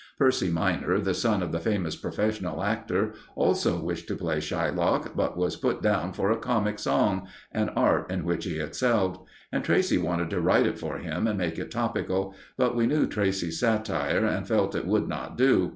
Percy minor, the son of the famous professional actor, also wished to play Shylock, but was put down for a comic song an art in which he excelled. And Tracey wanted to write it for him and make it topical; but we knew Tracey's satire, and felt it would not do.